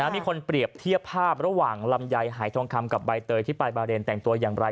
มีคนเปรียบเทียบภาพระหว่างลำไยหายทองคำกับใบเตยที่ไปบาเรนแต่งตัวอย่างไร